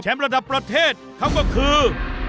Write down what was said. ระดับประเทศเขาก็คือ